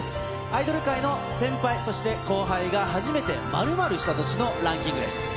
アイドル界の先輩、そして後輩が初めて〇○した年のランキングです。